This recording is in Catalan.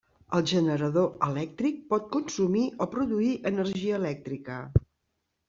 El generador elèctric pot consumir o produir energia elèctrica.